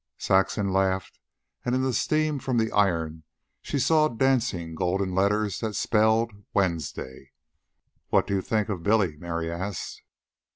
Saxon laughed, and in the steam from the iron she saw dancing golden letters that spelled WEDNESDAY. "What do you think of Billy?" Mary asked.